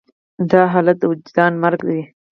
دا حالت د وجدان مرګ دی.